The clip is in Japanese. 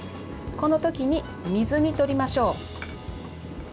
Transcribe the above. この時に水にとりましょう。